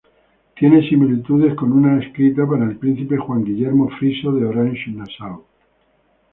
Tiene similitudes con una escrita para el príncipe Juan Guillermo Friso de Orange-Nassau.